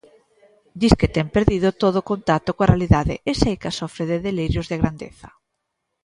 Disque ten perdido todo contacto coa realidade e seica sofre de delirios de grandeza.